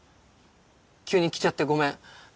急に来ちゃってごめん。